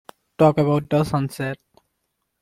Talk about the sunset.